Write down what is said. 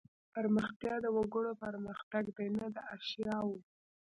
پرمختیا د وګړو پرمختګ دی نه د اشیاوو.